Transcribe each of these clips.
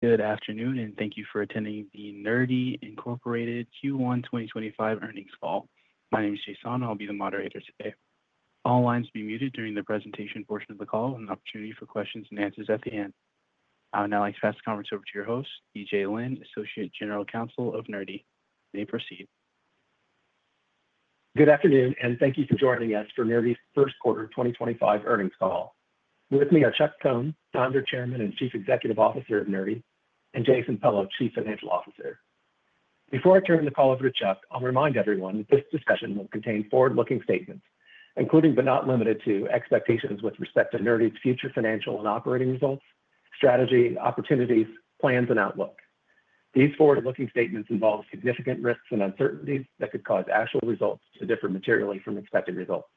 Good afternoon, and thank you for attending the Nerdy Incorporated Q1 2025 earnings call. My name is Jason, and I'll be the moderator today. All lines will be muted during the presentation portion of the call, with an opportunity for questions and answers at the end. I would now like to pass the conference over to your host, TJ Lynn, Associate General Counsel of Nerdy. May he proceed? Good afternoon, and thank you for joining us for Nerdy's first quarter 2025 earnings call. With me are Chuck Cohn, Founder, Chairman and Chief Executive Officer of Nerdy, and Jason Pello, Chief Financial Officer. Before I turn the call over to Chuck, I'll remind everyone that this discussion will contain forward-looking statements, including but not limited to expectations with respect to Nerdy's future financial and operating results, strategy, opportunities, plans, and outlook. These forward-looking statements involve significant risks and uncertainties that could cause actual results to differ materially from expected results.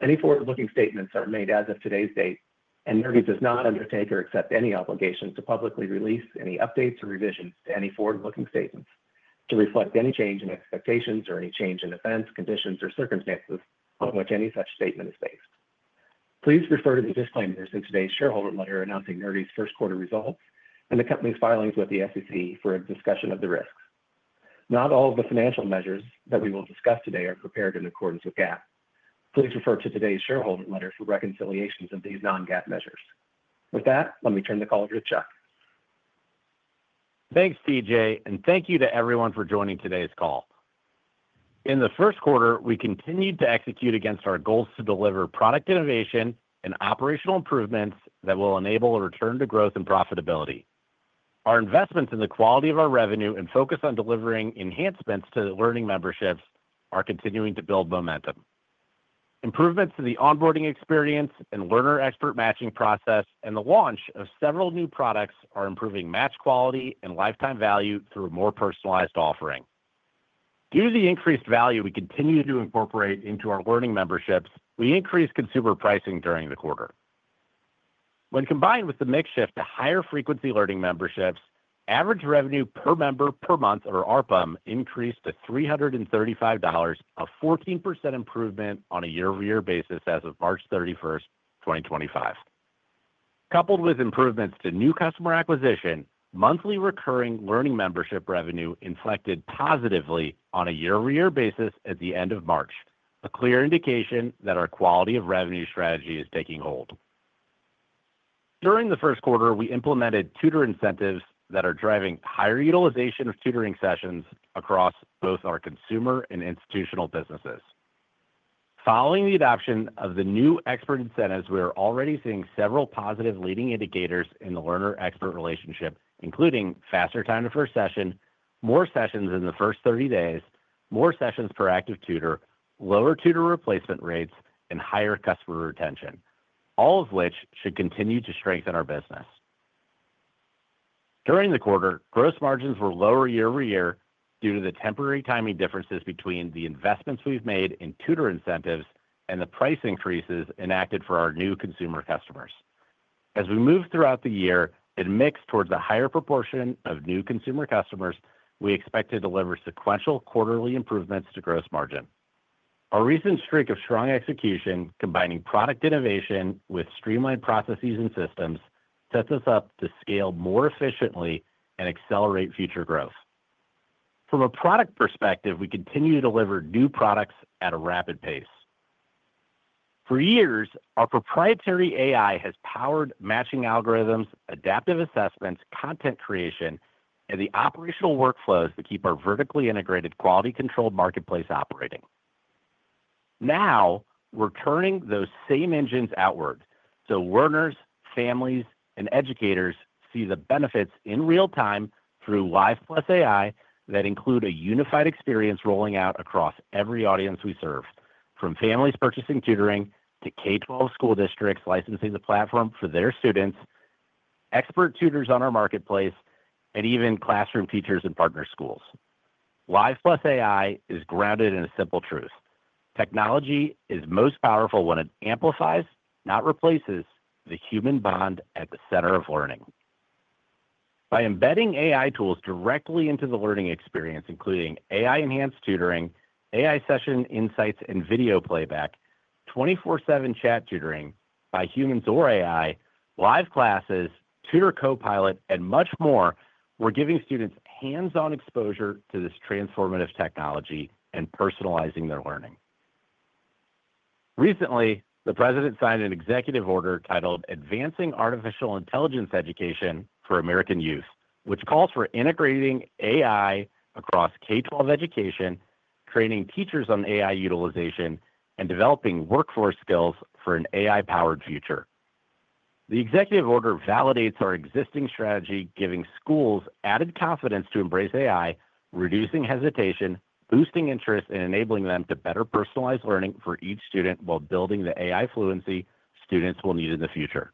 Any forward-looking statements are made as of today's date, and Nerdy does not undertake or accept any obligation to publicly release any updates or revisions to any forward-looking statements to reflect any change in expectations or any change in events, conditions, or circumstances on which any such statement is based. Please refer to the disclaimers in today's shareholder letter announcing Nerdy's first quarter results and the company's filings with the SEC for a discussion of the risks. Not all of the financial measures that we will discuss today are prepared in accordance with GAAP. Please refer to today's shareholder letter for reconciliations of these non-GAAP measures. With that, let me turn the call over to Chuck. Thanks, TJ, and thank you to everyone for joining today's call. In the first quarter, we continued to execute against our goals to deliver product innovation and operational improvements that will enable a return to growth and profitability. Our investments in the quality of our revenue and focus on delivering enhancements to the Learning Memberships are continuing to build momentum. Improvements to the onboarding experience and learner-expert matching process and the launch of several new products are improving match quality and lifetime value through a more personalized offering. Due to the increased value we continue to incorporate into our Learning Memberships, we increased consumer pricing during the quarter. When combined with the makeshift to higher-frequency Learning Memberships, average revenue per member per month, or ARPM, increased to $335, a 14% improvement on a year-over-year basis as of March 31st, 2025. Coupled with improvements to new customer acquisition, monthly recurring Learning Memberships revenue inflected positively on a year-over-year basis at the end of March, a clear indication that our quality of revenue strategy is taking hold. During the first quarter, we implemented tutor incentives that are driving higher utilization of tutoring sessions across both our consumer and institutional businesses. Following the adoption of the new expert incentives, we are already seeing several positive leading indicators in the learner-expert relationship, including faster time to first session, more sessions in the first 30 days, more sessions per active tutor, lower tutor replacement rates, and higher customer retention, all of which should continue to strengthen our business. During the quarter, gross margins were lower year-over-year due to the temporary timing differences between the investments we've made in tutor incentives and the price increases enacted for our new consumer customers. As we move throughout the year and mix towards a higher proportion of new consumer customers, we expect to deliver sequential quarterly improvements to gross margin. Our recent streak of strong execution, combining product innovation with streamlined processes and systems, sets us up to scale more efficiently and accelerate future growth. From a product perspective, we continue to deliver new products at a rapid pace. For years, our proprietary AI has powered matching algorithms, adaptive assessments, content creation, and the operational workflows that keep our vertically integrated quality-controlled marketplace operating. Now we're turning those same engines outward so learners, families, and educators see the benefits in real time through Live + AI that include a unified experience rolling out across every audience we serve, from families purchasing tutoring to K-12 school districts licensing the platform for their students, expert tutors on our marketplace, and even classroom teachers and partner schools. Live + AI is grounded in a simple truth: technology is most powerful when it amplifies, not replaces, the human bond at the center of learning. By embedding AI tools directly into the learning experience, including AI-enhanced tutoring, AI Session Insights, and video playback, 24/7 chat tutoring by humans or AI, Live Classes, Tutor Copilot, and much more, we're giving students hands-on exposure to this transformative technology and personalizing their learning. Recently, the President signed an executive order titled Advancing Artificial Intelligence Education for American Youth, which calls for integrating AI across K-12 education, training teachers on AI utilization, and developing workforce skills for an AI-powered future. The executive order validates our existing strategy, giving schools added confidence to embrace AI, reducing hesitation, boosting interest, and enabling them to better personalize learning for each student while building the AI fluency students will need in the future.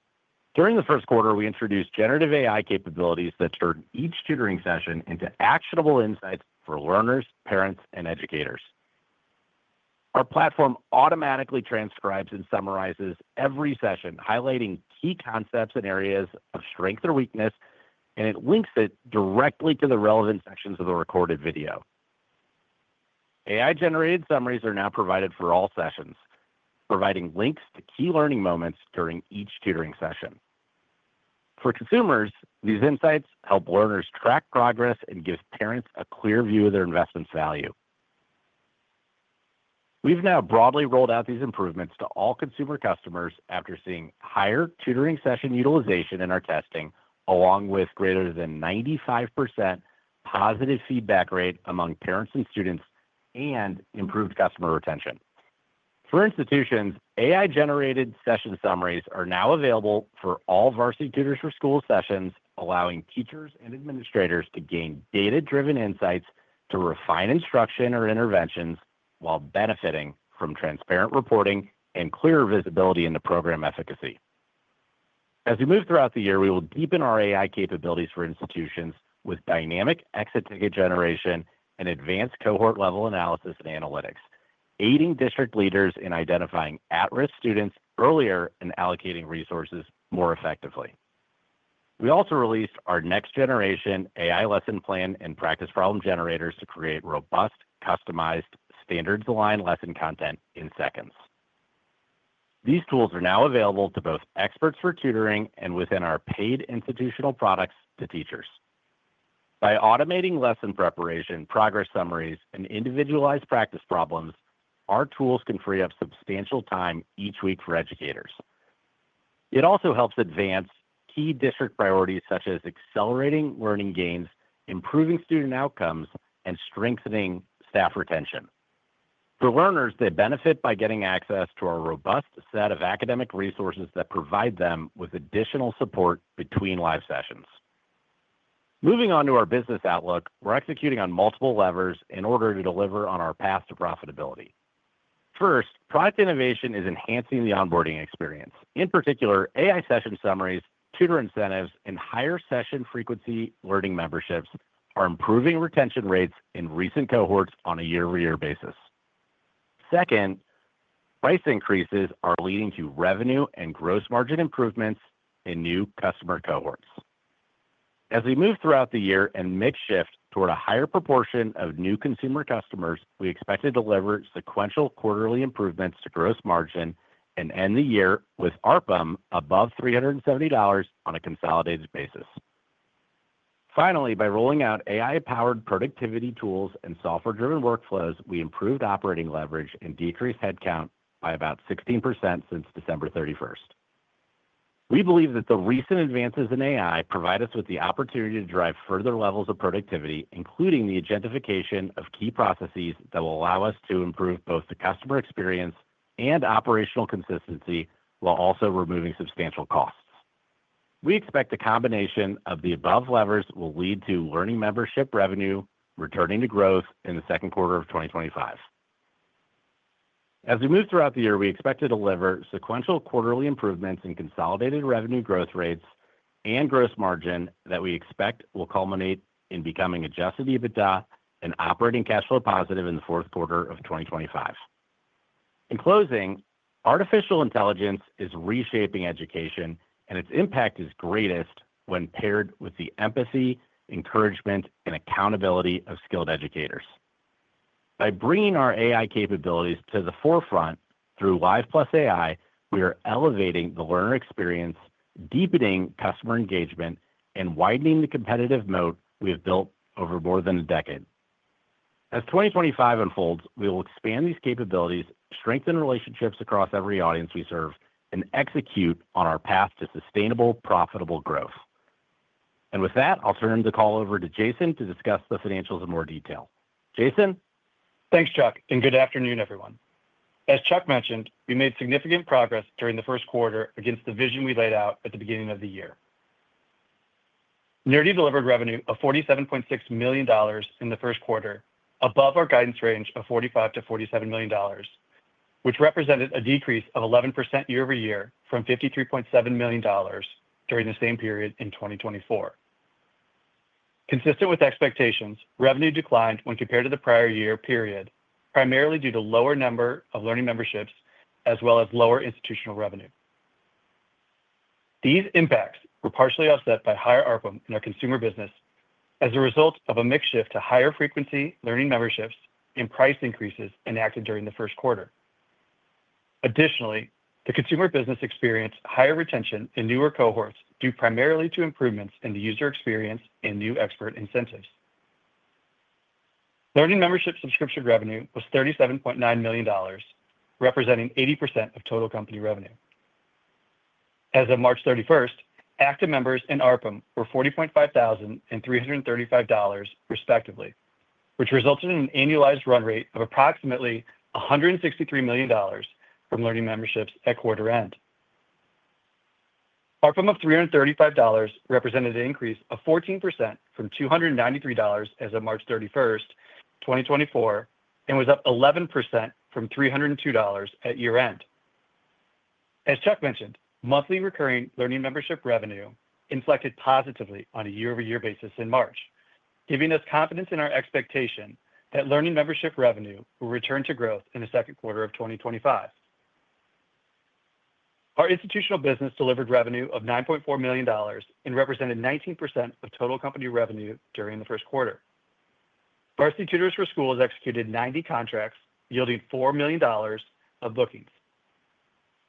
During the first quarter, we introduced generative AI capabilities that turn each tutoring session into actionable insights for learners, parents, and educators. Our platform automatically transcribes and summarizes every session, highlighting key concepts and areas of strength or weakness, and it links it directly to the relevant sections of the recorded video. AI-generated summaries are now provided for all sessions, providing links to key learning moments during each tutoring session. For consumers, these insights help learners track progress and give parents a clear view of their investment's value. We've now broadly rolled out these improvements to all consumer customers after seeing higher tutoring session utilization in our testing, along with greater than 95% positive feedback rate among parents and students and improved customer retention. For institutions, AI-generated session summaries are now available for all Varsity Tutors for Schools sessions, allowing teachers and administrators to gain data-driven insights to refine instruction or interventions while benefiting from transparent reporting and clear visibility in the program efficacy. As we move throughout the year, we will deepen our AI capabilities for institutions with dynamic exit ticket generation and advanced cohort-level analysis and analytics, aiding district leaders in identifying at-risk students earlier and allocating resources more effectively. We also released our next-generation AI lesson plan and practice problem generators to create robust, customized, standards-aligned lesson content in seconds. These tools are now available to both experts for tutoring and within our paid institutional products to teachers. By automating lesson preparation, progress summaries, and individualized practice problems, our tools can free up substantial time each week for educators. It also helps advance key district priorities such as accelerating learning gains, improving student outcomes, and strengthening staff retention. For learners, they benefit by getting access to a robust set of academic resources that provide them with additional support between live sessions. Moving on to our business outlook, we're executing on multiple levers in order to deliver on our path to profitability. First, product innovation is enhancing the onboarding experience. In particular, AI Session Summaries, tutor incentives, and higher session frequency Learning Memberships are improving retention rates in recent cohorts on a year-over-year basis. Second, price increases are leading to revenue and gross margin improvements in new customer cohorts. As we move throughout the year and make shift toward a higher proportion of new consumer customers, we expect to deliver sequential quarterly improvements to gross margin and end the year with ARPM above $370 on a consolidated basis. Finally, by rolling out AI-powered productivity tools and software-driven workflows, we improved operating leverage and decreased headcount by about 16% since December 31st. We believe that the recent advances in AI provide us with the opportunity to drive further levels of productivity, including the identification of key processes that will allow us to improve both the customer experience and operational consistency while also removing substantial costs. We expect the combination of the above levers will lead to Learning Memberships revenue returning to growth in the second quarter of 2025. As we move throughout the year, we expect to deliver sequential quarterly improvements in consolidated revenue growth rates and gross margin that we expect will culminate in becoming Adjusted EBITDA and operating cash flow positive in the fourth quarter of 2025. In closing, artificial intelligence is reshaping education, and its impact is greatest when paired with the empathy, encouragement, and accountability of skilled educators. By bringing our AI capabilities to the forefront through Live + AI, we are elevating the learner experience, deepening customer engagement, and widening the competitive moat we have built over more than a decade. As 2025 unfolds, we will expand these capabilities, strengthen relationships across every audience we serve, and execute on our path to sustainable, profitable growth. I'll turn the call over to Jason to discuss the financials in more detail. Jason. Thanks, Chuck, and good afternoon, everyone. As Chuck mentioned, we made significant progress during the first quarter against the vision we laid out at the beginning of the year. Nerdy delivered revenue of $47.6 million in the first quarter, above our guidance range of $45 million-$47 million, which represented a decrease of 11% year-over-year from $53.7 million during the same period in 2023. Consistent with expectations, revenue declined when compared to the prior year period, primarily due to a lower number of Learning Memberships as well as lower institutional revenue. These impacts were partially offset by higher ARPM in our consumer business as a result of a mix shift to higher-frequency Learning Memberships and price increases enacted during the first quarter. Additionally, the consumer business experienced higher retention in newer cohorts due primarily to improvements in the user experience and new expert incentives. Learning membership subscription revenue was $37.9 million, representing 80% of total company revenue. As of March 31st, active members and ARPM were 40,500 and $335 respectively, which resulted in an annualized run rate of approximately $163 million from learning memberships at quarter end. ARPM of $335 represented an increase of 14% from $293 as of March 31st, 2024, and was up 11% from $302 at year-end. As Chuck mentioned, monthly recurring learning membership revenue inflected positively on a year-over-year basis in March, giving us confidence in our expectation that learning membership revenue will return to growth in the second quarter of 2025. Our institutional business delivered revenue of $9.4 million and represented 19% of total company revenue during the first quarter. Varsity Tutors for Schools executed 90 contracts, yielding $4 million of bookings.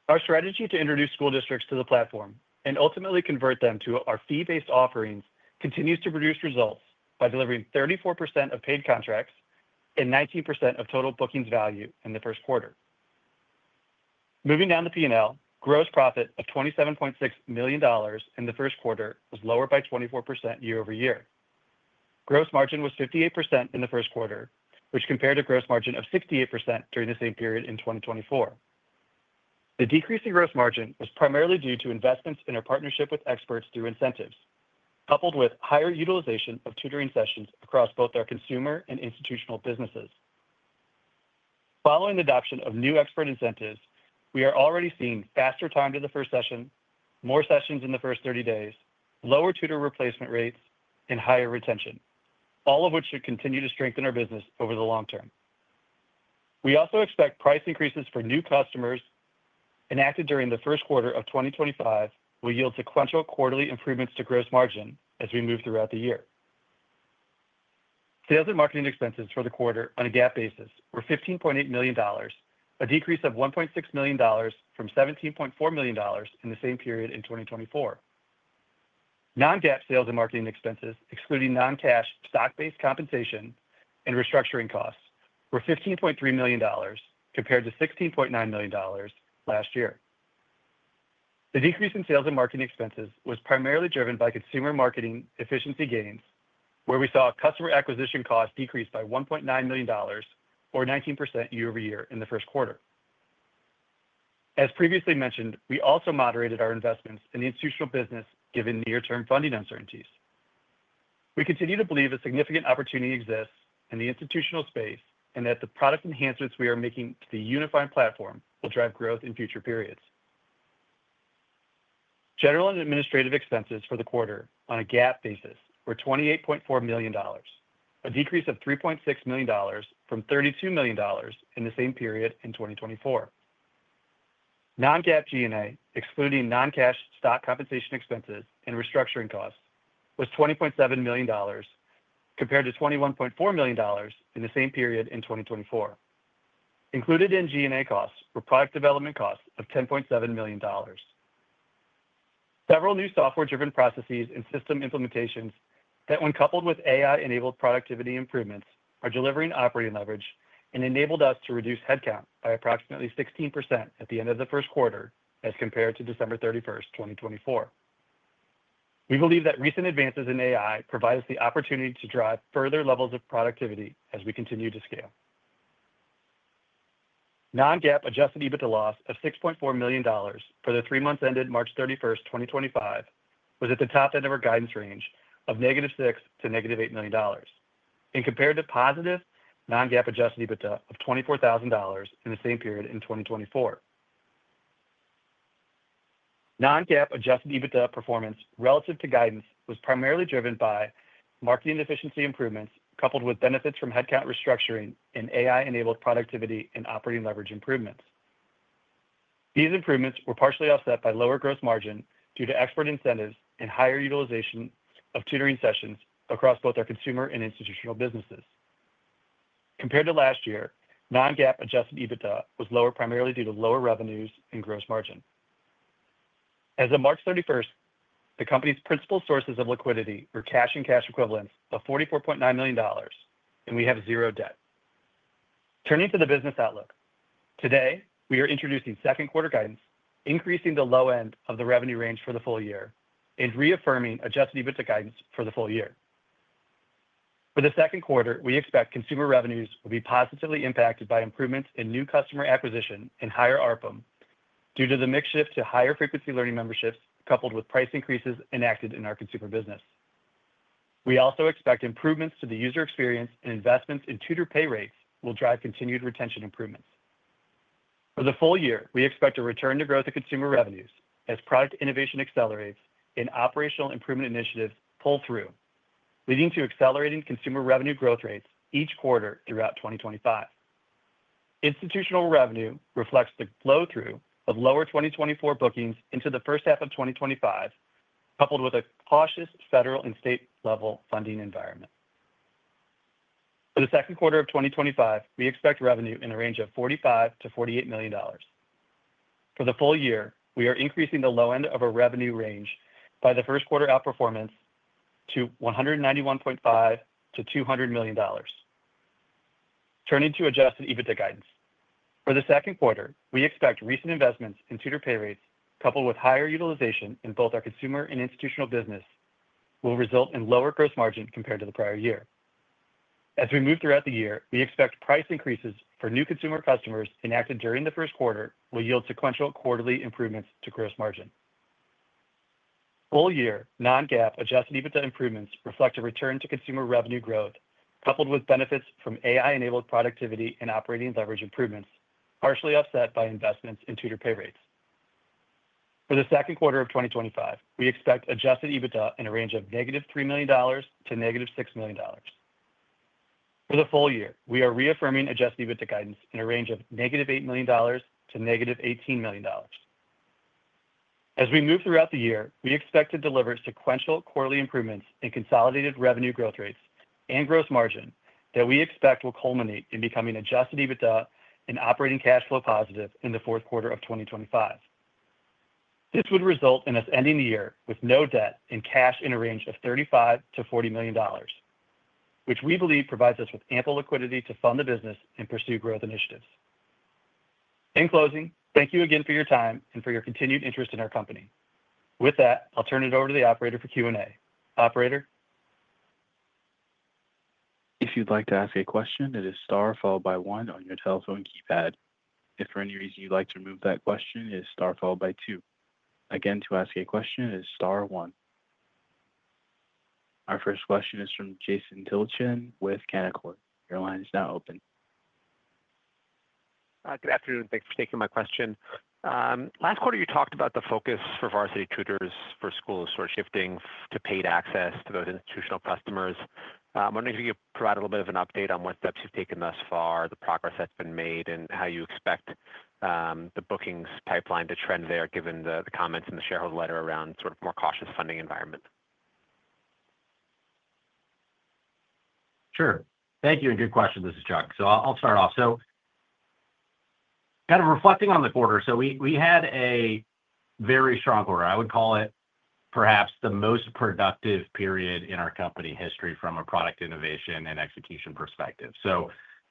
Our strategy to introduce school districts to the platform and ultimately convert them to our fee-based offerings continues to produce results by delivering 34% of paid contracts and 19% of total bookings value in the first quarter. Moving down the P&L, gross profit of $27.6 million in the first quarter was lower by 24% year-over-year. Gross margin was 58% in the first quarter, which compared to a gross margin of 68% during the same period in 2023. The decrease in gross margin was primarily due to investments in our partnership with experts through incentives, coupled with higher utilization of tutoring sessions across both our consumer and institutional businesses. Following the adoption of new expert incentives, we are already seeing faster time to the first session, more sessions in the first 30 days, lower tutor replacement rates, and higher retention, all of which should continue to strengthen our business over the long term. We also expect price increases for new customers enacted during the first quarter of 2025 will yield sequential quarterly improvements to gross margin as we move throughout the year. Sales and marketing expenses for the quarter on a GAAP basis were $15.8 million, a decrease of $1.6 million from $17.4 million in the same period in 2024. Non-GAAP sales and marketing expenses, excluding non-cash stock-based compensation and restructuring costs, were $15.3 million, compared to $16.9 million last year. The decrease in sales and marketing expenses was primarily driven by consumer marketing efficiency gains, where we saw customer acquisition costs decrease by $1.9 million, or 19% year-over-year in the first quarter. As previously mentioned, we also moderated our investments in the institutional business given near-term funding uncertainties. We continue to believe a significant opportunity exists in the institutional space and that the product enhancements we are making to the unified platform will drive growth in future periods. General and administrative expenses for the quarter on a GAAP basis were $28.4 million, a decrease of $3.6 million from $32 million in the same period in 2024. Non-GAAP G&A, excluding non-cash stock compensation expenses and restructuring costs, was $20.7 million, compared to $21.4 million in the same period in 2024. Included in G&A costs were product development costs of $10.7 million. Several new software-driven processes and system implementations that, when coupled with AI-enabled productivity improvements, are delivering operating leverage and enabled us to reduce headcount by approximately 16% at the end of the first quarter as compared to December 31st, 2024. We believe that recent advances in AI provide us the opportunity to drive further levels of productivity as we continue to scale. Non-GAAP adjusted EBITDA loss of $6.4 million for the three months ended March 31st, 2025, was at the top end of our guidance range of -$6 million to -$8 million and compared to positive non-GAAP adjusted EBITDA of $24,000 in the same period in 2024. Non-GAAP adjusted EBITDA performance relative to guidance was primarily driven by marketing efficiency improvements coupled with benefits from headcount restructuring and AI-enabled productivity and operating leverage improvements. These improvements were partially offset by lower gross margin due to expert incentives and higher utilization of tutoring sessions across both our consumer and institutional businesses. Compared to last year, non-GAAP adjusted EBITDA was lower primarily due to lower revenues and gross margin. As of March 31st, the company's principal sources of liquidity were cash and cash equivalents of $44.9 million, and we have zero debt. Turning to the business outlook, today, we are introducing second-quarter guidance, increasing the low end of the revenue range for the full year and reaffirming adjusted EBITDA guidance for the full year. For the second quarter, we expect consumer revenues will be positively impacted by improvements in new customer acquisition and higher ARPM due to the mix shift to higher-frequency Learning Memberships coupled with price increases enacted in our consumer business. We also expect improvements to the user experience and investments in tutor pay rates will drive continued retention improvements. For the full year, we expect a return to growth in consumer revenues as product innovation accelerates and operational improvement initiatives pull through, leading to accelerating consumer revenue growth rates each quarter throughout 2025. Institutional revenue reflects the flow-through of lower 2024 bookings into the first half of 2025, coupled with a cautious federal and state-level funding environment. For the second quarter of 2025, we expect revenue in a range of $45 million-$48 million. For the full year, we are increasing the low end of our revenue range by the first quarter outperformance to $191.5 million-$200 million. Turning to adjusted EBITDA guidance, for the second quarter, we expect recent investments in tutor pay rates coupled with higher utilization in both our consumer and institutional business will result in lower gross margin compared to the prior year. As we move throughout the year, we expect price increases for new consumer customers enacted during the first quarter will yield sequential quarterly improvements to gross margin. Full-year non-GAAP adjusted EBITDA improvements reflect a return to consumer revenue growth coupled with benefits from AI-enabled productivity and operating leverage improvements, partially offset by investments in tutor pay rates. For the second quarter of 2025, we expect adjusted EBITDA in a range of -$3 million to -$6 million. For the full year, we are reaffirming adjusted EBITDA guidance in a range of -$8 million to -$18 million. As we move throughout the year, we expect to deliver sequential quarterly improvements in consolidated revenue growth rates and gross margin that we expect will culminate in becoming adjusted EBITDA and operating cash flow positive in the fourth quarter of 2025. This would result in us ending the year with no debt and cash in a range of $35 million-$40 million, which we believe provides us with ample liquidity to fund the business and pursue growth initiatives. In closing, thank you again for your time and for your continued interest in our company. With that, I'll turn it over to the operator for Q&A. Operator. If you'd like to ask a question, it is star followed by one on your telephone keypad. If for any reason you'd like to remove that question, it is star followed by two. Again, to ask a question, it is star one. Our first question is from Jason Tilchen with Canaccord. Your line is now open. Good afternoon. Thanks for taking my question. Last quarter, you talked about the focus for Varsity Tutors for Schools sort of shifting to paid access to those institutional customers. I'm wondering if you could provide a little bit of an update on what steps you've taken thus far, the progress that's been made, and how you expect the bookings pipeline to trend there given the comments in the shareholder letter around sort of a more cautious funding environment. Sure. Thank you. Good question. This is Chuck. I'll start off. Kind of reflecting on the quarter, we had a very strong quarter. I would call it perhaps the most productive period in our company history from a product innovation and execution perspective.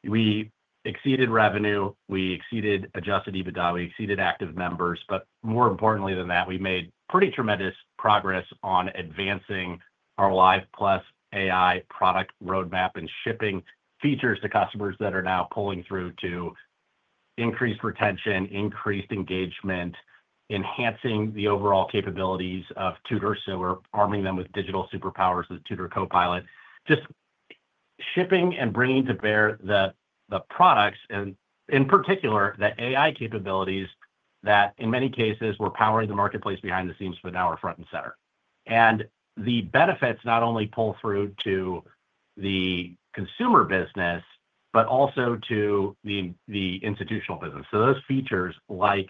We exceeded revenue. We exceeded adjusted EBITDA. We exceeded active members. More importantly than that, we made pretty tremendous progress on advancing our Live + AI product roadmap and shipping features to customers that are now pulling through to increased retention, increased engagement, enhancing the overall capabilities of tutors. We're arming them with digital superpowers with Tutor Copilot, just shipping and bringing to bear the products and, in particular, the AI capabilities that, in many cases, were powering the marketplace behind the scenes but now are front and center. The benefits not only pull through to the consumer business but also to the institutional business. Those features like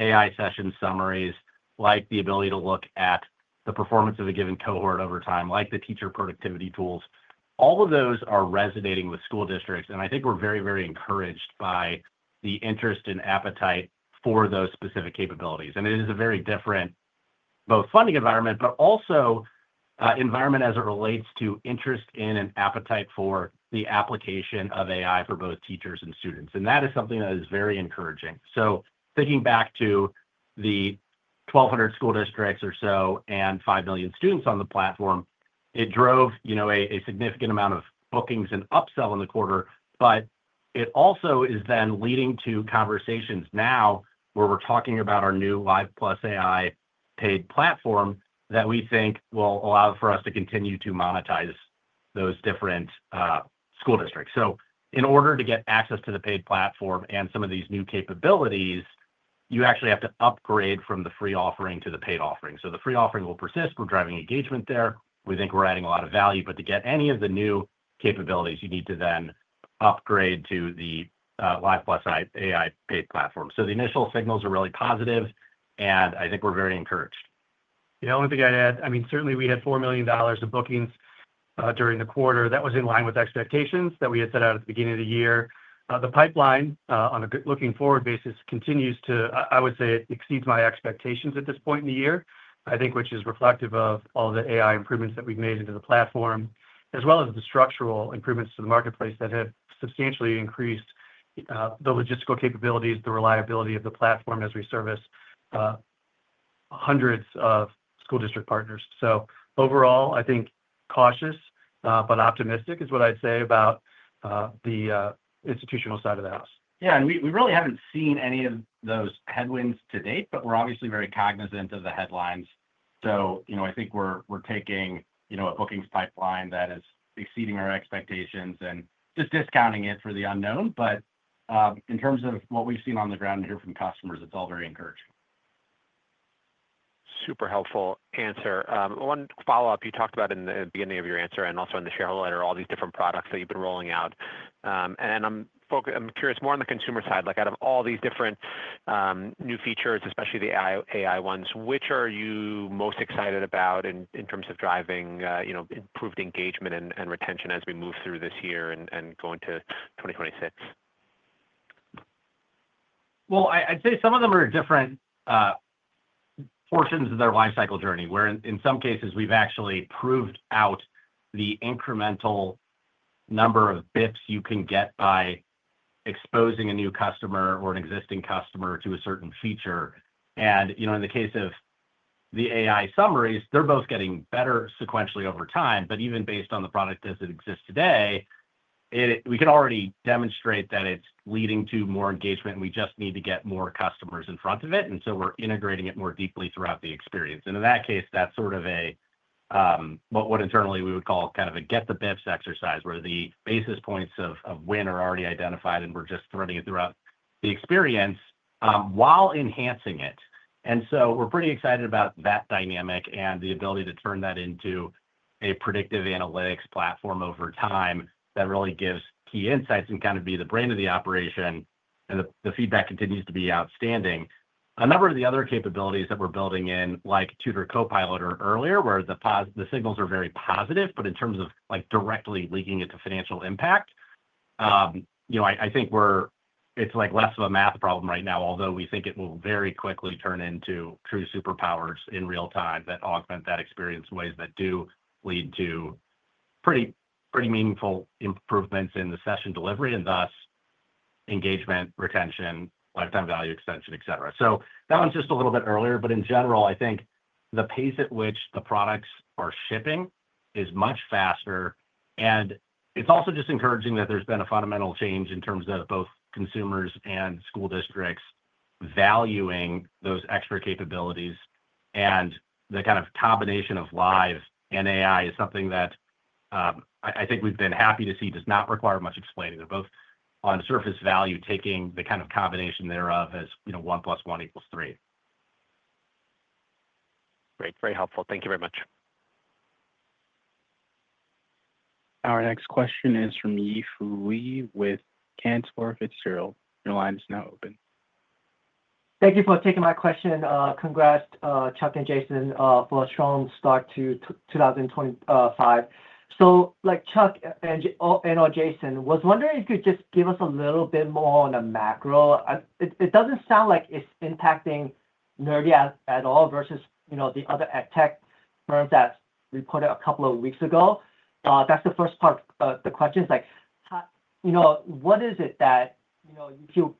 AI Session Summaries, like the ability to look at the performance of a given cohort over time, like the teacher productivity tools, all of those are resonating with school districts. I think we're very, very encouraged by the interest and appetite for those specific capabilities. It is a very different both funding environment but also environment as it relates to interest in and appetite for the application of AI for both teachers and students. That is something that is very encouraging. Thinking back to the 1,200 school districts or so and 5 million students on the platform, it drove a significant amount of bookings and upsell in the quarter. It also is then leading to conversations now where we're talking about our new Live + AI paid platform that we think will allow for us to continue to monetize those different school districts. In order to get access to the paid platform and some of these new capabilities, you actually have to upgrade from the free offering to the paid offering. The free offering will persist. We're driving engagement there. We think we're adding a lot of value. To get any of the new capabilities, you need to then upgrade to the Live + AI paid platform. The initial signals are really positive, and I think we're very encouraged. Yeah. The only thing I'd add, I mean, certainly we had $4 million of bookings during the quarter. That was in line with expectations that we had set out at the beginning of the year. The pipeline on a looking-forward basis continues to, I would say, exceed my expectations at this point in the year, I think, which is reflective of all the AI improvements that we've made into the platform, as well as the structural improvements to the marketplace that have substantially increased the logistical capabilities, the reliability of the platform as we service hundreds of school district partners. Overall, I think cautious but optimistic is what I'd say about the institutional side of the house. Yeah. We really haven't seen any of those headwinds to date, but we're obviously very cognizant of the headlines. I think we're taking a bookings pipeline that is exceeding our expectations and just discounting it for the unknown. In terms of what we've seen on the ground here from customers, it's all very encouraging. Super helpful answer. One follow-up, you talked about in the beginning of your answer and also in the shareholder letter, all these different products that you've been rolling out. I'm curious more on the consumer side. Out of all these different new features, especially the AI ones, which are you most excited about in terms of driving improved engagement and retention as we move through this year and go into 2026? I’d say some of them are different portions of their life cycle journey, where in some cases, we’ve actually proved out the incremental number of basis points you can get by exposing a new customer or an existing customer to a certain feature. In the case of the AI summaries, they’re both getting better sequentially over time. Even based on the product as it exists today, we can already demonstrate that it’s leading to more engagement, and we just need to get more customers in front of it. We’re integrating it more deeply throughout the experience. In that case, that’s sort of what internally we would call kind of a get-the-basis-points exercise, where the basis points of win are already identified, and we’re just threading it throughout the experience while enhancing it. We're pretty excited about that dynamic and the ability to turn that into a predictive analytics platform over time that really gives key insights and kind of be the brain of the operation. The feedback continues to be outstanding. A number of the other capabilities that we're building in, like Tutor Copilot earlier, where the signals are very positive, but in terms of directly linking it to financial impact, I think it's like less of a math problem right now, although we think it will very quickly turn into true superpowers in real time that augment that experience in ways that do lead to pretty meaningful improvements in the session delivery and thus engagement, retention, lifetime value extension, etc. That one's just a little bit earlier. In general, I think the pace at which the products are shipping is much faster. It is also just encouraging that there's been a fundamental change in terms of both consumers and school districts valuing those extra capabilities. The kind of combination of Live and AI is something that I think we've been happy to see does not require much explaining. They are both on surface value, taking the kind of combination thereof as one plus one equals three. Great. Very helpful. Thank you very much. Our next question is from Yi Fu Lee with Cantor Fitzgerald. Your line is now open. Thank you for taking my question. Congrats, Chuck and Jason, for a strong start to 2025. Chuck and/or Jason, I was wondering if you could just give us a little bit more on the macro. It doesn't sound like it's impacting Nerdy at all versus the other edtech firms that reported a couple of weeks ago. That's the first part of the question, what is it that you feel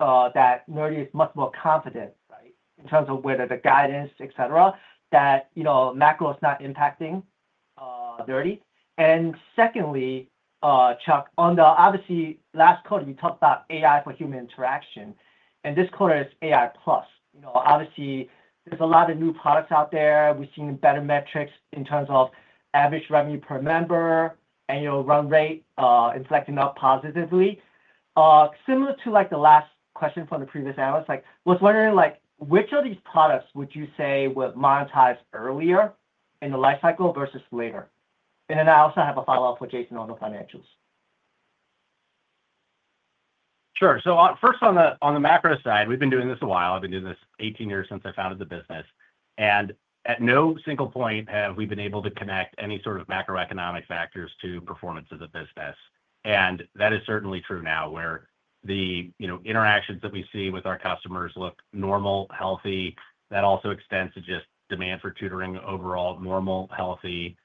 that Nerdy is much more confident, right, in terms of whether the guidance, etc., that macro is not impacting Nerdy? Secondly, Chuck, obviously last quarter, you talked about AI for human interaction. This quarter is AI plus. Obviously, there's a lot of new products out there. We've seen better metrics in terms of average revenue per member and run rate inflecting up positively. Similar to the last question from the previous analyst, I was wondering which of these products would you say were monetized earlier in the life cycle versus later? I also have a follow-up for Jason on the financials. Sure. First, on the macro side, we've been doing this a while. I've been doing this 18 years since I founded the business. At no single point have we been able to connect any sort of macroeconomic factors to performance of the business. That is certainly true now, where the interactions that we see with our customers look normal, healthy. That also extends to just demand for tutoring overall, normal, healthy.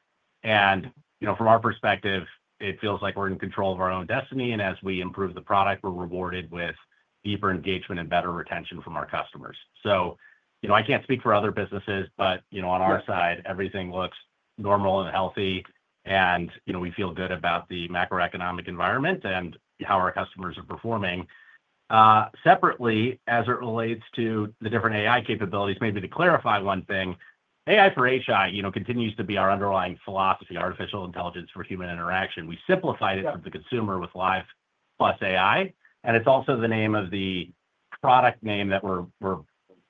From our perspective, it feels like we're in control of our own destiny. As we improve the product, we're rewarded with deeper engagement and better retention from our customers. I can't speak for other businesses, but on our side, everything looks normal and healthy. We feel good about the macroeconomic environment and how our customers are performing. Separately, as it relates to the different AI capabilities, maybe to clarify one thing, AI for HI continues to be our underlying philosophy, artificial intelligence for human interaction. We simplified it for the consumer with Live + AI. And it's also the name of the product name that we're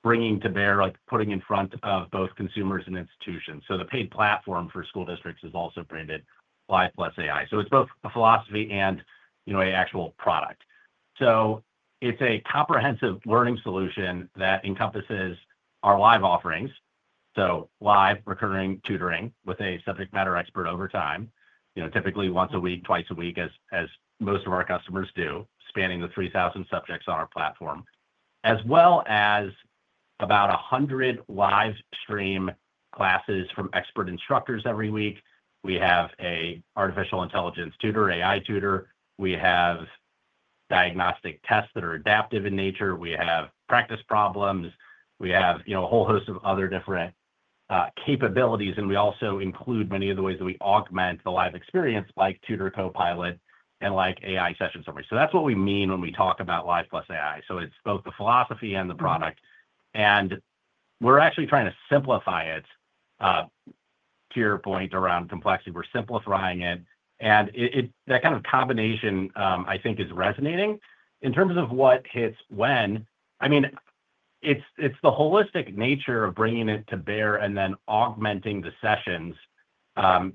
bringing to bear, putting in front of both consumers and institutions. The paid platform for school districts is also branded Live + AI. It is both a philosophy and an actual product. It is a comprehensive learning solution that encompasses our live offerings, live recurring tutoring with a subject matter expert over time, typically once a week, twice a week, as most of our customers do, spanning the 3,000 subjects on our platform, as well as about 100 live stream classes from expert instructors every week. We have an artificial intelligence tutor, AI Tutor. We have diagnostic tests that are adaptive in nature. We have practice problems. We have a whole host of other different capabilities. We also include many of the ways that we augment the live experience, like Tutor Copilot and like AI Session Summaries. That is what we mean when we talk about Live + AI. It is both the philosophy and the product. We are actually trying to simplify it to your point around complexity. We are simplifying it. That kind of combination, I think, is resonating. In terms of what hits when, I mean, it is the holistic nature of bringing it to bear and then augmenting the sessions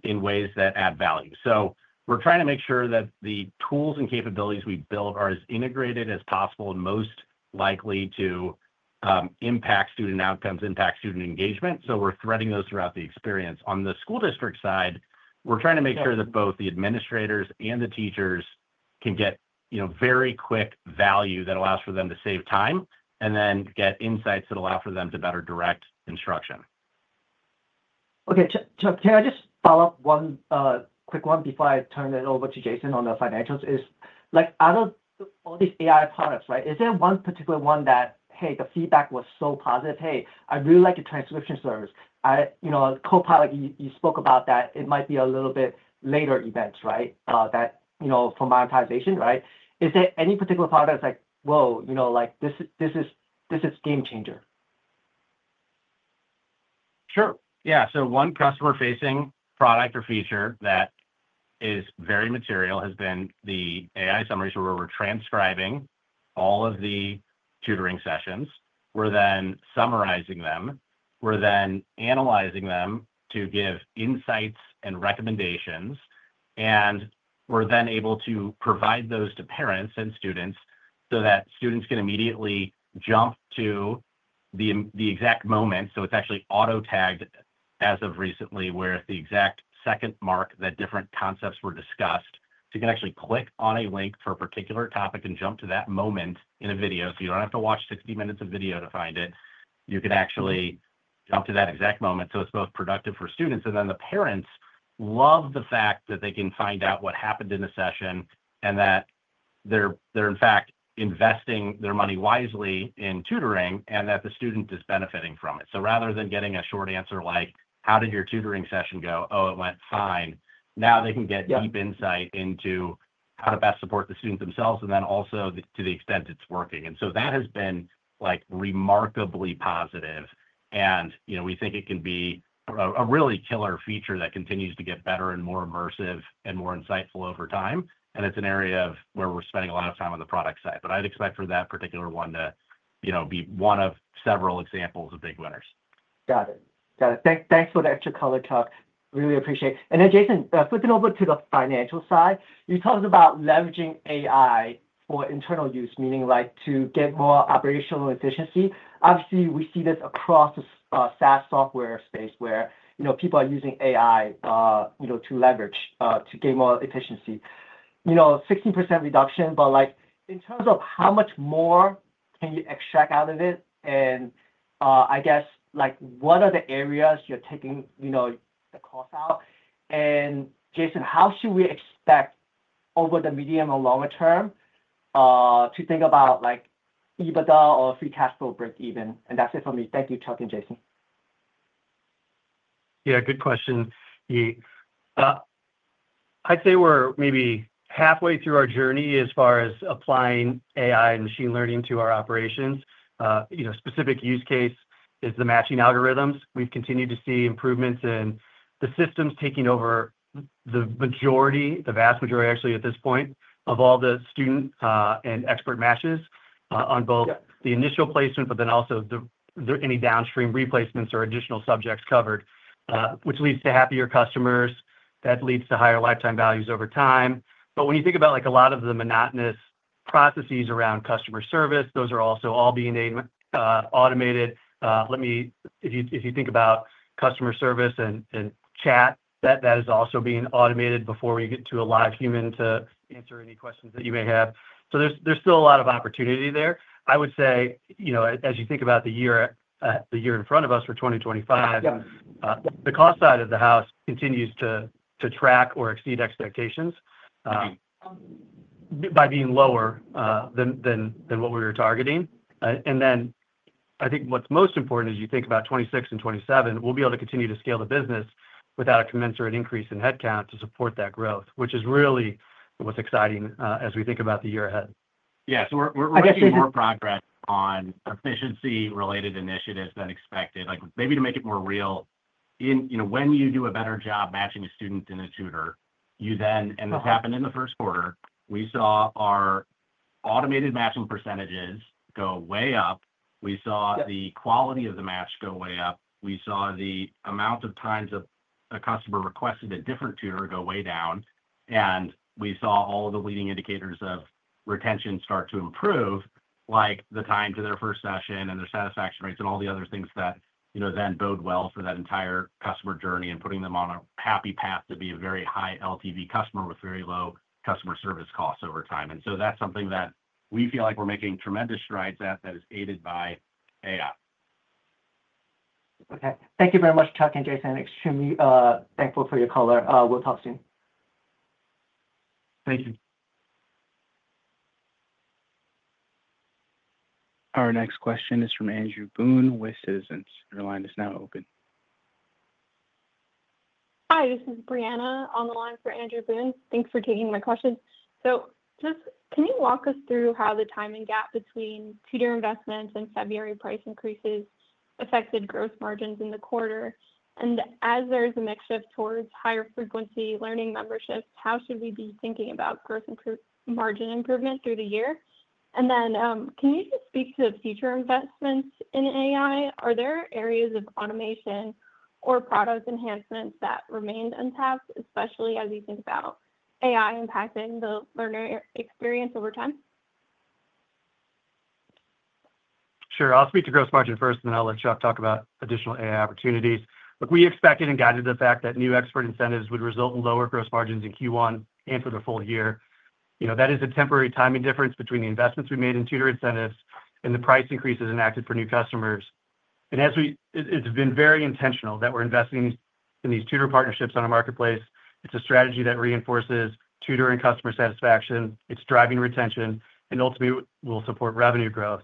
in ways that add value. We are trying to make sure that the tools and capabilities we build are as integrated as possible and most likely to impact student outcomes, impact student engagement. We are threading those throughout the experience. On the school district side, we're trying to make sure that both the administrators and the teachers can get very quick value that allows for them to save time and then get insights that allow for them to better direct instruction. Okay. Chuck, can I just follow up one quick one before I turn it over to Jason on the financials? All these AI products, right, is there one particular one that, hey, the feedback was so positive, hey, I really like the transcription service? Copilot, you spoke about that. It might be a little bit later events, right, for monetization, right? Is there any particular product that's like, "Whoa, this is a game changer? Sure. Yeah. So one customer-facing product or feature that is very material has been the AI summaries where we're transcribing all of the tutoring sessions. We're then summarizing them. We're then analyzing them to give insights and recommendations. We're then able to provide those to parents and students so that students can immediately jump to the exact moment. It's actually auto-tagged as of recently where at the exact second mark that different concepts were discussed. You can actually click on a link for a particular topic and jump to that moment in a video. You don't have to watch 60 minutes of video to find it. You can actually jump to that exact moment. It's both productive for students. The parents love the fact that they can find out what happened in the session and that they're, in fact, investing their money wisely in tutoring and that the student is benefiting from it. Rather than getting a short answer like, "How did your tutoring session go?" "Oh, it went fine." Now they can get deep insight into how to best support the students themselves and also to the extent it's working. That has been remarkably positive. We think it can be a really killer feature that continues to get better and more immersive and more insightful over time. It is an area where we're spending a lot of time on the product side. I'd expect for that particular one to be one of several examples of big winners. Got it. Got it. Thanks for the extra color, Chuck. Really appreciate it. Jason, flipping over to the financial side, you talked about leveraging AI for internal use, meaning to get more operational efficiency. Obviously, we see this across the SaaS software space where people are using AI to leverage to gain more efficiency. 16% reduction, but in terms of how much more can you extract out of it? I guess, what are the areas you're taking the cost out? Jason, how should we expect over the medium or longer term to think about EBITDA or free cash flow break even? That's it for me. Thank you, Chuck and Jason. Yeah. Good question, Yi. I'd say we're maybe halfway through our journey as far as applying AI and machine learning to our operations. Specific use case is the matching algorithms. We've continued to see improvements in the systems taking over the vast majority, actually, at this point of all the student and expert matches on both the initial placement, but then also any downstream replacements or additional subjects covered, which leads to happier customers. That leads to higher lifetime values over time. When you think about a lot of the monotonous processes around customer service, those are also all being automated. If you think about customer service and chat, that is also being automated before we get to a live human to answer any questions that you may have. There's still a lot of opportunity there. I would say, as you think about the year in front of us for 2025, the cost side of the house continues to track or exceed expectations by being lower than what we were targeting. I think what's most important is you think about 2026 and 2027, we'll be able to continue to scale the business without a commensurate increase in headcount to support that growth, which is really what's exciting as we think about the year ahead. Yeah. We're making more progress on efficiency-related initiatives than expected. Maybe to make it more real, when you do a better job matching a student and a tutor, you then—and this happened in the first quarter—we saw our automated matching percentages go way up. We saw the quality of the match go way up. We saw the amount of times a customer requested a different tutor go way down. We saw all of the leading indicators of retention start to improve, like the time to their first session and their satisfaction rates and all the other things that bode well for that entire customer journey and putting them on a happy path to be a very high LTV customer with very low customer service costs over time. That is something that we feel like we're making tremendous strides at that is aided by AI. Okay. Thank you very much, Chuck and Jason. Extremely thankful for your color. We'll talk soon. Thank you. Our next question is from Andrew Boone with Citizens. Your line is now open. Hi. This is Brianna on the line for Andrew Boone. Thanks for taking my question. Can you walk us through how the timing gap between tutor investments and February price increases affected gross margins in the quarter? As there is a mixture of towards higher frequency Learning Memberships, how should we be thinking about gross margin improvement through the year? Can you speak to the future investments in AI? Are there areas of automation or product enhancements that remain untapped, especially as we think about AI impacting the learner experience over time? Sure. I'll speak to gross margin first, and then I'll let Chuck talk about additional AI opportunities. Look, we expected and guided the fact that new expert incentives would result in lower gross margins in Q1 and for the full year. That is a temporary timing difference between the investments we made in tutor incentives and the price increases enacted for new customers. It's been very intentional that we're investing in these tutor partnerships on a marketplace. It's a strategy that reinforces tutor and customer satisfaction. It's driving retention. Ultimately, we'll support revenue growth.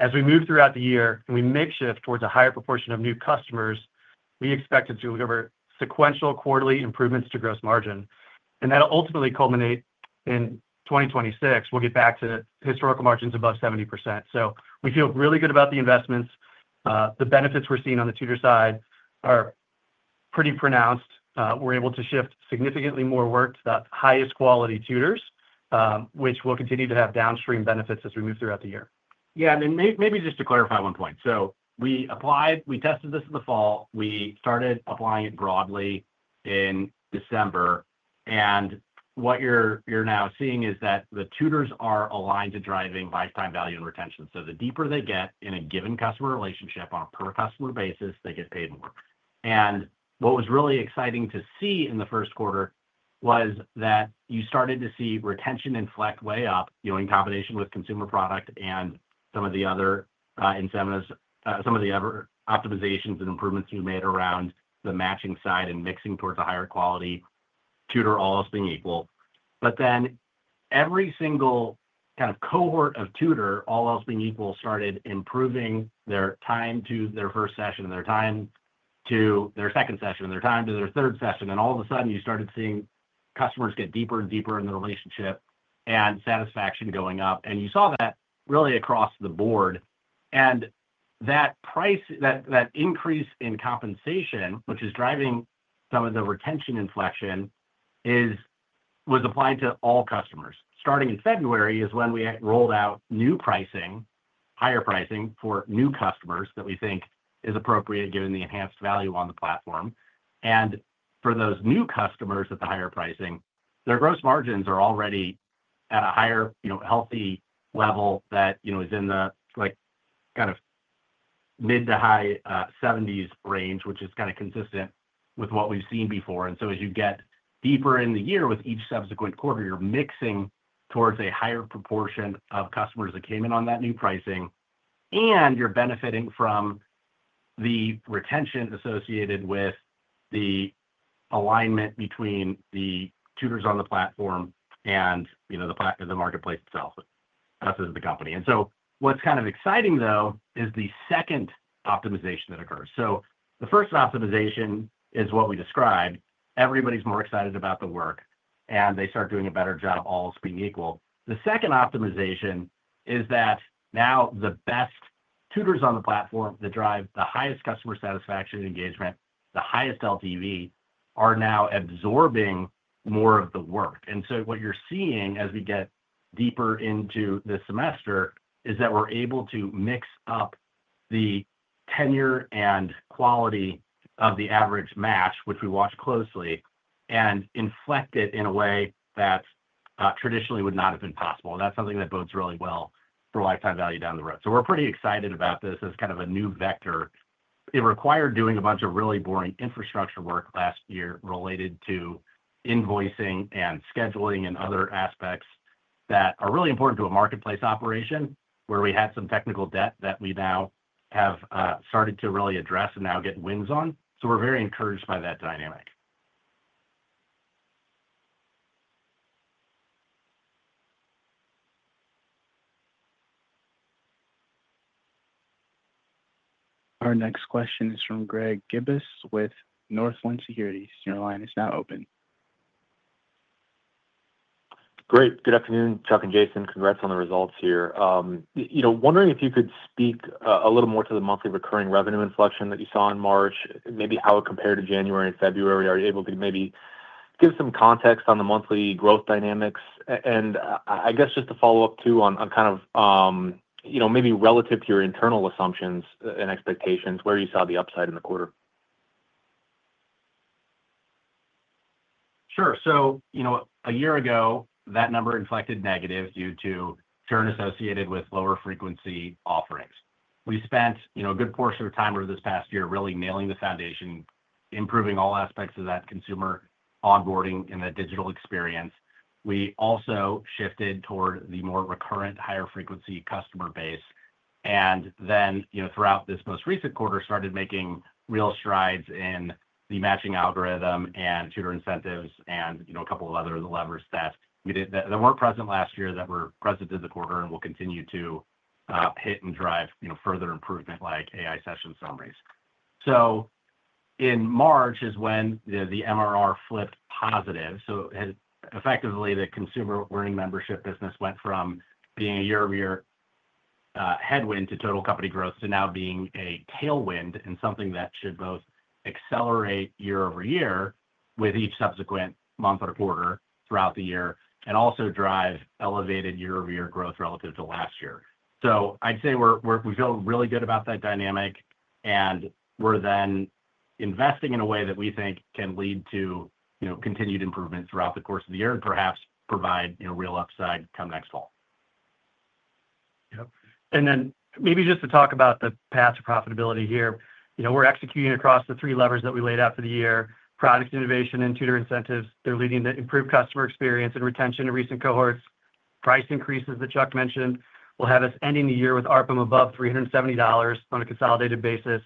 As we move throughout the year and we make shift towards a higher proportion of new customers, we expect to deliver sequential quarterly improvements to gross margin. That'll ultimately culminate in 2026. We'll get back to historical margins above 70%. We feel really good about the investments. The benefits we're seeing on the tutor side are pretty pronounced. We're able to shift significantly more work to the highest quality tutors, which will continue to have downstream benefits as we move throughout the year. Yeah. Maybe just to clarify one point. We tested this in the fall. We started applying it broadly in December. What you're now seeing is that the tutors are aligned to driving lifetime value and retention. The deeper they get in a given customer relationship on a per-customer basis, they get paid more. What was really exciting to see in the first quarter was that you started to see retention inflect way up in combination with consumer product and some of the other incentives, some of the other optimizations and improvements we made around the matching side and mixing towards a higher quality tutor, all else being equal. Every single kind of cohort of tutor, all else being equal, started improving their time to their first session and their time to their second session and their time to their third session. All of a sudden, you started seeing customers get deeper and deeper in the relationship and satisfaction going up. You saw that really across the board. That increase in compensation, which is driving some of the retention inflection, was applied to all customers. Starting in February is when we rolled out new pricing, higher pricing for new customers that we think is appropriate given the enhanced value on the platform. For those new customers at the higher pricing, their gross margins are already at a higher, healthy level that is in the kind of mid to high 70% range, which is kind of consistent with what we've seen before. As you get deeper in the year with each subsequent quarter, you're mixing towards a higher proportion of customers that came in on that new pricing, and you're benefiting from the retention associated with the alignment between the tutors on the platform and the marketplace itself, us as the company. What's kind of exciting, though, is the second optimization that occurs. The first optimization is what we described. Everybody's more excited about the work, and they start doing a better job, all else being equal. The second optimization is that now the best tutors on the platform that drive the highest customer satisfaction and engagement, the highest LTV, are now absorbing more of the work. What you're seeing as we get deeper into this semester is that we're able to mix up the tenure and quality of the average match, which we watch closely, and inflect it in a way that traditionally would not have been possible. That's something that bodes really well for lifetime value down the road. We're pretty excited about this as kind of a new vector. It required doing a bunch of really boring infrastructure work last year related to invoicing and scheduling and other aspects that are really important to a marketplace operation where we had some technical debt that we now have started to really address and now get wins on. We're very encouraged by that dynamic. Our next question is from Greg Gibas with Northland Securities. Your line is now open. Great. Good afternoon, Chuck and Jason. Congrats on the results here. Wondering if you could speak a little more to the monthly recurring revenue inflection that you saw in March, maybe how it compared to January and February. Are you able to maybe give some context on the monthly growth dynamics? I guess just to follow up too on kind of maybe relative to your internal assumptions and expectations, where you saw the upside in the quarter. Sure. A year ago, that number inflected negative due to churn associated with lower frequency offerings. We spent a good portion of time over this past year really nailing the foundation, improving all aspects of that consumer onboarding and that digital experience. We also shifted toward the more recurrent, higher frequency customer base. Throughout this most recent quarter, we started making real strides in the matching algorithm and tutor incentives and a couple of other levers that were not present last year that were present in the quarter and will continue to hit and drive further improvement like AI Session Summaries. In March is when the MRR flipped positive. Effectively, the consumer learning membership business went from being a year-over-year headwind to total company growth to now being a tailwind and something that should both accelerate year-over-year with each subsequent month or quarter throughout the year and also drive elevated year-over-year growth relative to last year. I'd say we feel really good about that dynamic. We're then investing in a way that we think can lead to continued improvement throughout the course of the year and perhaps provide real upside come next fall. Yep. And then maybe just to talk about the path to profitability here. We're executing across the three levers that we laid out for the year. Product innovation and tutor incentives, they're leading to improved customer experience and retention of recent cohorts. Price increases that Chuck mentioned will have us ending the year with ARPM above $370 on a consolidated basis.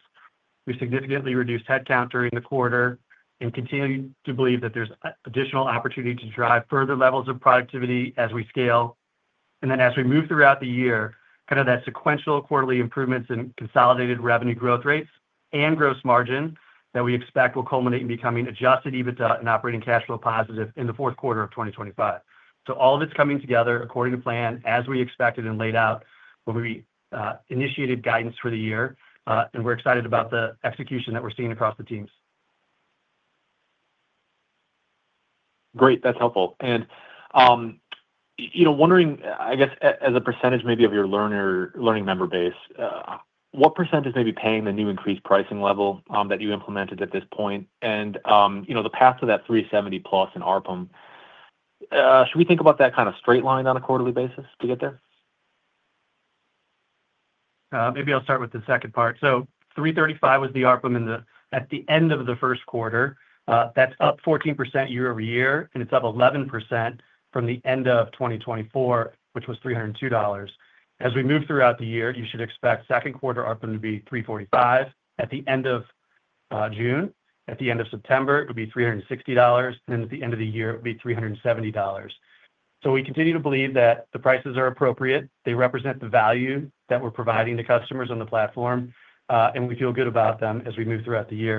We've significantly reduced headcount during the quarter and continue to believe that there's additional opportunity to drive further levels of productivity as we scale. And then as we move throughout the year, kind of that sequential quarterly improvements in consolidated revenue growth rates and gross margins that we expect will culminate in becoming adjusted EBITDA and operating cash flow positive in the fourth quarter of 2025. So all of it's coming together according to plan as we expected and laid out when we initiated guidance for the year. We're excited about the execution that we're seeing across the teams. Great. That's helpful. Wondering, I guess, as a percentage maybe of your learning member base, what percentage is maybe paying the new increased pricing level that you implemented at this point? The path to that $370+ in ARPM, should we think about that kind of straight line on a quarterly basis to get there? Maybe I'll start with the second part. $335 was the ARPM at the end of the first quarter. That's up 14% year-over-year, and it's up 11% from the end of 2024, which was $302. As we move throughout the year, you should expect second quarter ARPM to be $345 at the end of June. At the end of September, it would be $360. At the end of the year, it would be $370. We continue to believe that the prices are appropriate. They represent the value that we're providing to customers on the platform. We feel good about them as we move throughout the year.